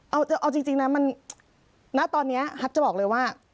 เอาจริงนะตอนนี้ฮัทจะบอกเลยว่า